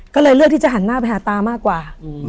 ก็เลยเลือกที่จะหันหน้าไปหาตามากกว่า